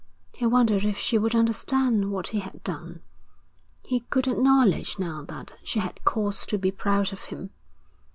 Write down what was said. He wondered if she would understand what he had done. He could acknowledge now that she had cause to be proud of him.